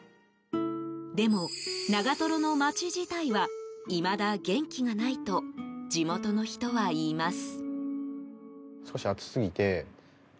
でも、長瀞の町自体はいまだ元気がないと地元の人はいいます。